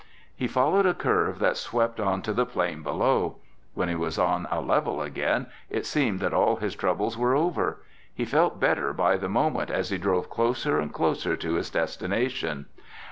He followed a curve that swept onto the plain below. When he was on a level again, it seemed that all his troubles were over. He felt better by the moment as he drove closer and closer to his destination.